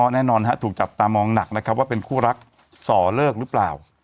แน่นอนถูกจับตามองหนักนะครับว่าเป็นคู่รักส่อเลิกหรือเปล่า